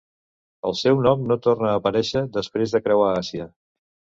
El seu nom no torna a aparèixer després de creuar a Àsia.